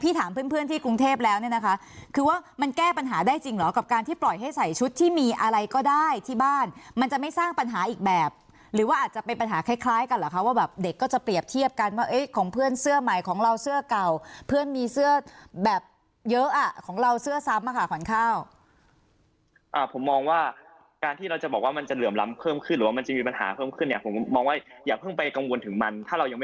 พี่ถามเพื่อนที่กรุงเทพแล้วเนี่ยนะคะคือว่ามันแก้ปัญหาได้จริงหรอกับการที่ปล่อยให้ใส่ชุดที่มีอะไรก็ได้ที่บ้านมันจะไม่สร้างปัญหาอีกแบบหรือว่าอาจจะเป็นปัญหาคล้ายกันเหรอคะว่าเด็กก็จะเปรียบเทียบกันว่าของเพื่อนเสื้อใหม่ของเราเสื้อเก่าเพื่อนมีเสื้อแบบเยอะอ่ะของเราเสื้อซ้ำค่ะขวัญข้าว